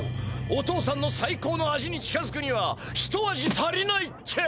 お父さんのサイコーの味に近づくには一味足りないって。